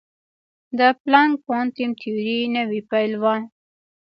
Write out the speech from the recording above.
د پلانک کوانټم تیوري نوې پیل وه.